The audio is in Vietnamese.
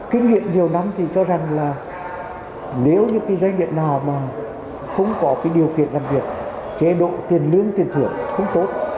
kinh nghiệm nhiều năm thì cho rằng là nếu như doanh nghiệp nào mà không có cái điều kiện làm việc chế độ tiền lương tiền thưởng không tốt